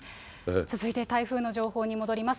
続いて台風の情報に戻ります。